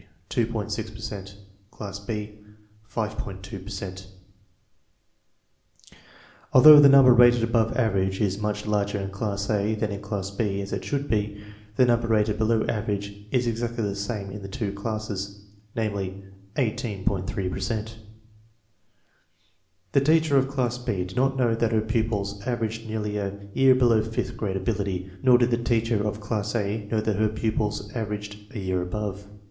2 Although the number rated above average is much larger in class A than in class B, as it should be, the number rated below average is exactly the same in the two classes, namely, 18.3 per cent. The teacher of class B did not know that her pupils averaged nearly a year below fifth grade ability, nor did the teacher of class A know that her pupils averaged a year above.